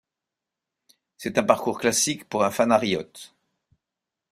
C'est un parcours classique pour un phanariote.